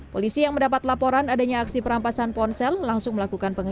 polisi yang mendapat laporan adanya aksi perampasan ponsel langsung melakukan penyelidikan